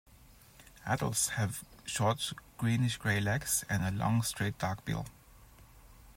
Adults have short greenish-grey legs and a long straight dark bill.